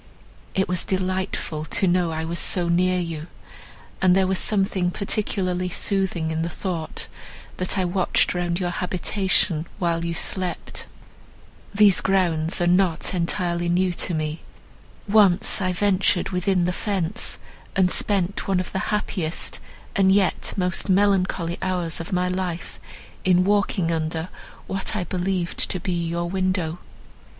It was delightful to know I was so near you, and there was something particularly soothing in the thought, that I watched round your habitation, while you slept. These grounds are not entirely new to me. Once I ventured within the fence, and spent one of the happiest, and yet most melancholy hours of my life in walking under what I believed to be your window."